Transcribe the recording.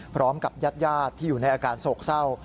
พร้อมกับญาติที่อยู่ในอาการโศกเศร้า